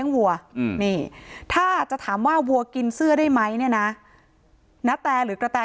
วัวถ้าจะถามว่าวัวกินเสื้อได้ไหมนี้นะณแแต่รึกปรแก